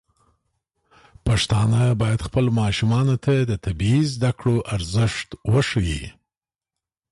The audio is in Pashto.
پښتانه بايد خپلو ماشومانو ته د طبي زده کړو ارزښت وښيي.